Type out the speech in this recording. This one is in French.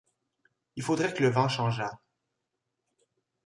Il faudrait que le vent changeât.